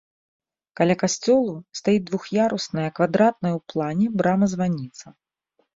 Каля касцёлу стаіць двух'ярусная квадратная ў плане брама-званіца.